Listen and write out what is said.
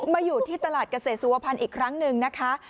มาอยู่ที่ตลาดเกษตรสุวพันธ์อีกครั้งหนึ่งนะคะ